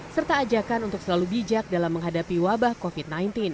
serta ajakan untuk selalu bijak dalam menghadapi wabah covid sembilan belas